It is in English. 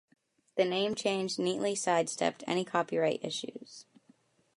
The name-change neatly sidestepped any copyright issues.